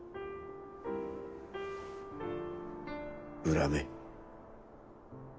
恨め。